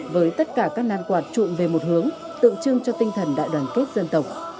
với tất cả các nan quạt trụng về một hướng tượng trưng cho tinh thần đại đoàn kết dân tộc